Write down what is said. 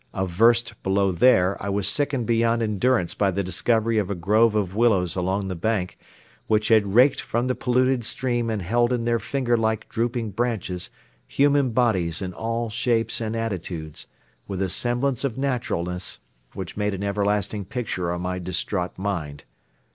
A verst below there I was sickened beyond endurance by the discovery of a grove of willows along the bank which had raked from the polluted stream and held in their finger like drooping branches human bodies in all shapes and attitudes with a semblance of naturalness which made an everlasting picture on my distraught mind.